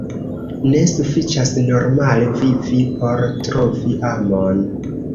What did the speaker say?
Ne sufiĉas normale vivi por trovi amon.